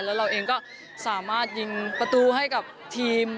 แล้วเราเองก็สามารถยิงประตูให้กับทีม